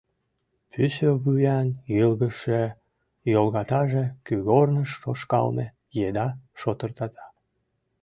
Пӱсӧ вуян йылгыжше йолгатаже кӱгорныш тошкалме еда шотыртата.